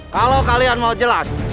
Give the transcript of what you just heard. kalau kalian mau jelas